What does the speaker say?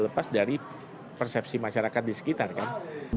lepas dari persepsi masyarakat di sekitar kan